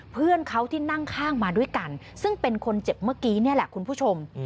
เพื่อนเขาที่นั่งข้างมาด้วยกันซึ่งเป็นคนเจ็บเมื่อกี้นี่แหละคุณผู้ชม